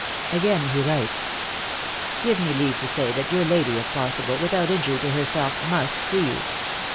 Again hewrites: "Give me leave to say that your lady, if possible, without injury to herself, must see you.